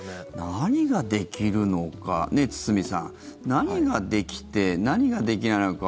何ができるのか、堤さん何ができて何ができないのか。